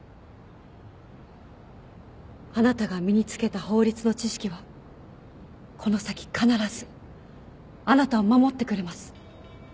あなたが身に付けた法律の知識はこの先必ずあなたを守ってくれます。